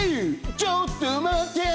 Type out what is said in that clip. ちょっと待ってて」